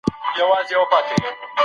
دودونه بايد بدل سي ژر.